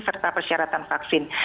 serta persyaratan vaksin